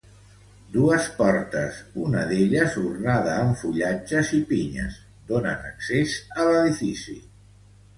Dues portes, una d'elles ornada amb fullatges i pinyes, donen accés a l'edifici.